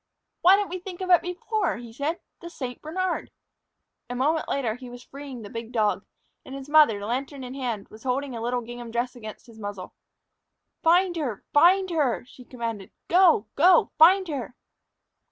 "Why didn't we think of it before?" he said "the St. Bernard!" A moment later he was freeing the big dog, and his mother, lantern in hand, was holding a little gingham dress against his muzzle. "Find her! Find her!" she commanded. "Go, go! Find her!"